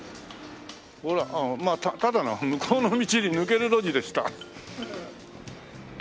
ああただの向こうの道に抜ける路地でした。